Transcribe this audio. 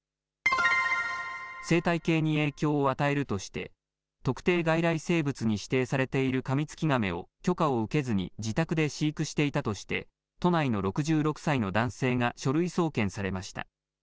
生態系に影響を与えるとして特定外来生物に指定されているカミツキガメを許可を受けずに自宅で飼育していたとして都内の６６歳の男性が書類送検されました。